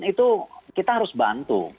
itu kita harus bantu